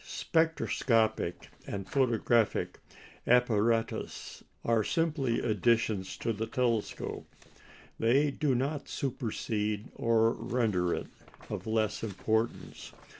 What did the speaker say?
Spectroscopic and photographic apparatus are simply additions to the telescope. They do not supersede or render it of less importance.